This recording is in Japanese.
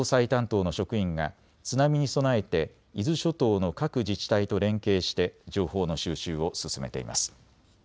また東京都は防災担当の職員が津波に備えて伊豆諸島の各自治体と連携して情報の収集を進めています。